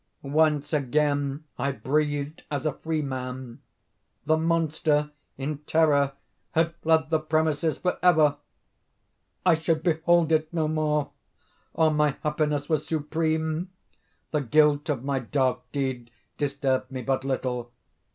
Once again I breathed as a freeman. The monster, in terror, had fled the premises forever! I should behold it no more! My happiness was supreme! The guilt of my dark deed disturbed me but little.